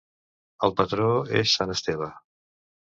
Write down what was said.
El patró és Sant Esteve.